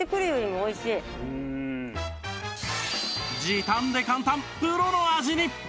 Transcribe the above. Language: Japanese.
時短で簡単プロの味に！